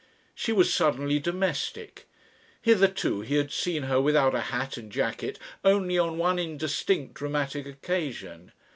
She was suddenly domestic. Hitherto he had seen her without a hat and jacket only on one indistinct dramatic occasion.